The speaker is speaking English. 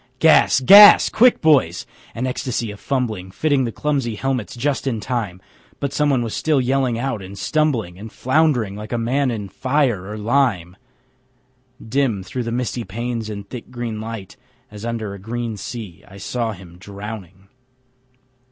Gas! GAS! Quick, boys! An ecstasy of fumbling Fitting the clumsy helmets just in time, But someone still was yelling out and stumbling And flound'ring like a man in fire or lime. Dim through the misty panes and thick green light, As under a green sea, I saw him drowning.